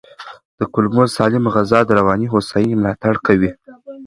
د کولمو سالمه غذا د رواني هوساینې ملاتړ کوي.